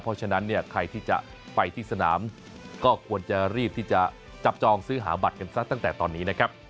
เพราะฉะนั้นเนี่ยใครที่จะไปที่สนามก็ควรจะรีบที่จะจับจองซื้อหาบัตรกันซะตั้งแต่ตอนนี้นะครับ